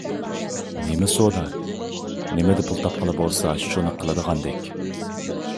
نېمە سودا؟ نېمىدە پۇل تاپقىلى بولسا شۇنى قىلىدىغاندەك.